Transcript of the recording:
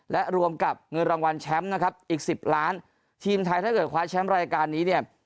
และรวมกับเงินรางวัลแชมป์นะครับอีกสิบล้านทีมไทยถ้าเกิดคว้าแชมป์รายการนี้เนี่ย